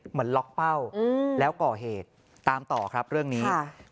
เหมือนล็อกเป้าแล้วก่อเหตุตามต่อครับเรื่องนี้